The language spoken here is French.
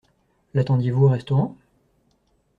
L’attendiez-vous au restaurant?